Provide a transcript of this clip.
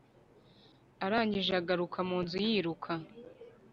arangije agaruka munzu yiruka